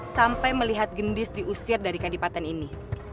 sampai melihat gendis diusir dari kadipaten ini